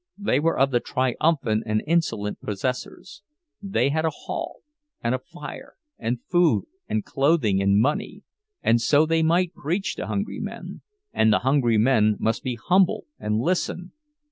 They were of the triumphant and insolent possessors; they had a hall, and a fire, and food and clothing and money, and so they might preach to hungry men, and the hungry men must be humble and listen!